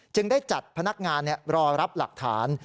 ได้จัดพนักงานรอรับหลักฐาน